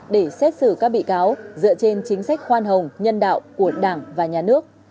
để xét xử các bị cáo dựa trên chính sách khoan hồng nhân đạo của đảng và nhà nước